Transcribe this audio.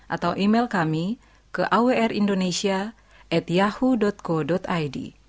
atau email kami ke awrindonesia at yahoo co id